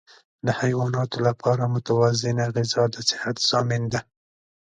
د حیواناتو لپاره متوازنه غذا د صحت ضامن ده.